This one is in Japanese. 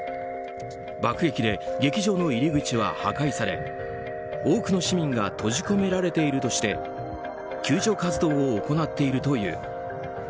爆撃で劇場の入り口は破壊され多くの市民が閉じ込められているとして救助活動を行っているという。